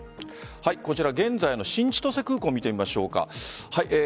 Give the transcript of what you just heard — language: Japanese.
こちら、現在の新千歳空港を見てみましょうか。